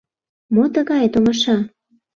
Мо тыгае томаша?